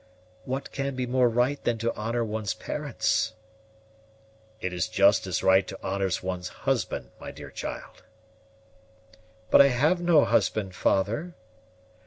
"What can be more right than to honor one's parents?" "It is just as right to honor one's husband, my dear child." "But I have no husband, father."